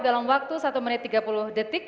dalam waktu satu menit tiga puluh detik